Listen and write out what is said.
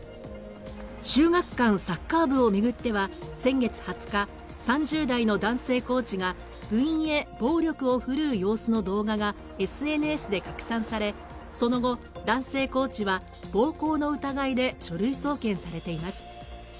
秀岳館サッカー部を巡っては先月２０日、３０代の男性コーチが部員へ暴力を振るう様子の動画がＳＮＳで拡散されその後、男性コーチは暴力の疑いで書類送検されています。